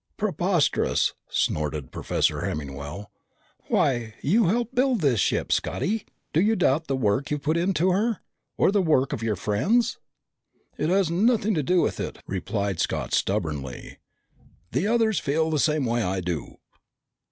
"Preposterous," snorted Professor Hemmingwell. "Why, you helped build this ship, Scotty! Do you doubt the work you've put into her? Or the work of your friends?" "That has nothing to do with it," replied Scott stubbornly. "The others feel the same way I do."